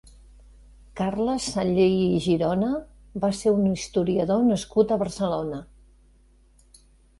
Carles Sanllehy i Girona va ser un historiador nascut a Barcelona.